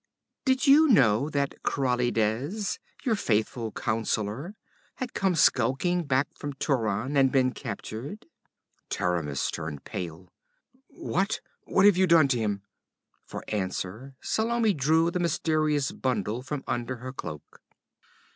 Did you know that Krallides, your faithful councillor, had come skulking back from Turan and been captured?' Taramis turned pale. 'What what have you done to him?' For answer Salome drew the mysterious bundle from under her cloak.